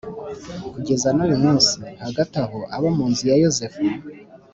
kugeza n’uyu munsi. Hagati aho, abo mu nzu ya Yozefu